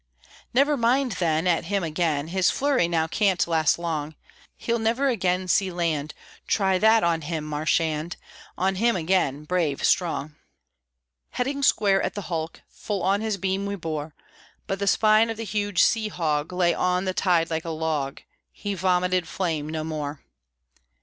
Never mind then, at him again! His flurry now can't last long; He'll never again see land, Try that on him, Marchand! On him again, brave Strong! Heading square at the hulk, Full on his beam we bore; But the spine of the huge Sea Hog Lay on the tide like a log, He vomited flame no more.